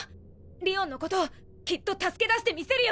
りおんのこときっと助け出してみせるよ！